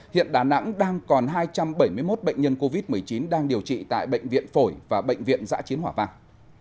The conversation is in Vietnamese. hiện đà nẵng đang còn hai trăm bảy mươi một bệnh nhân covid một mươi chín đang điều trị tại bệnh viện phổi và bệnh viện giã chiến hỏa vang